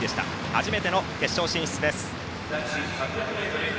初めての決勝進出です。